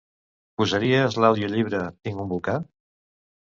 Posaries l'audiollibre "Tinc un volcà"?